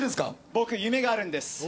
僕、夢があるんです。